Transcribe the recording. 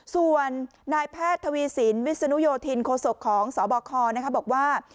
ส่วนนายแพทย์ทวีสินวิศนุโยธินโคศกของสบคบอกว่า